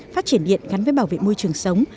phát triển điện gắn với bảo vệ môi trường sống